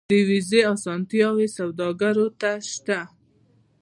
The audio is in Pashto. د ویزې اسانتیاوې سوداګرو ته شته